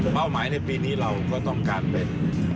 หมายในปีนี้เราก็ต้องการเป็น